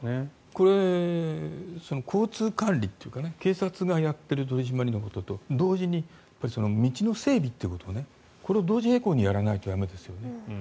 これ、交通管理というか警察がやっている取り締まりのことと同時に道の整備ということこれを同時並行にやらないと駄目ですよね。